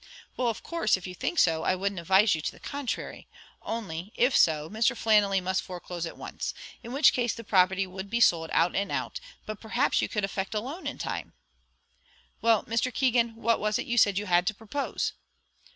"Well, of course, if you think so, I wouldn't advise you to the contrary; only, if so, Mr. Flannelly must foreclose at once, in which case the property would be sold out and out; but perhaps you could effect a loan in time " "Well, Mr. Keegan, what was it you said you had to propose?"